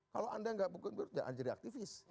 kalau anda tidak anda jadi aktivis